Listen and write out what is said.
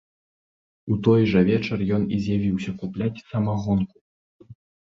У той жа вечар ён і з'явіўся купляць самагонку.